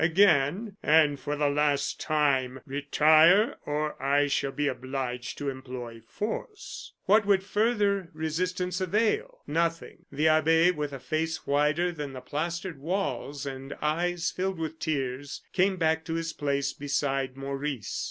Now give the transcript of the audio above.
Again, and for the last time, retire, or I shall be obliged to employ force." What would further resistance avail? Nothing. The abbe, with a face whiter than the plastered walls, and eyes filled with tears, came back to his place beside Maurice.